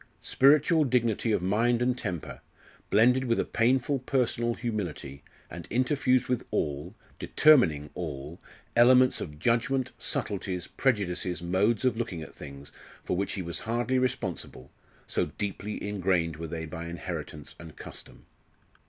Spiritual dignity of mind and temper, blended with a painful personal humility, and interfused with all determining all elements of judgment, subtleties, prejudices, modes of looking at things, for which he was hardly responsible, so deeply ingrained were they by inheritance and custom.